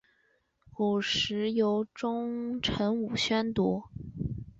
古时由中臣式宣读。